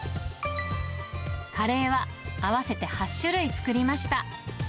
カレーは合わせて８種類作りました。